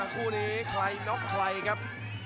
คู่นี้ใครน็อกใครครับ